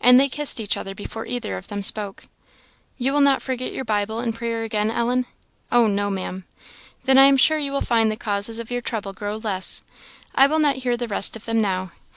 And they kissed each other before either of them spoke. "You will not forget your Bible and prayer again, Ellen?" "Oh, no, Maam." "Then I am sure you will find your causes of trouble grow less. I will not hear the rest of them now.